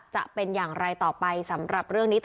จะเป็นอย่างไรต่อไปสำหรับเรื่องนี้